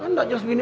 gak jelas begini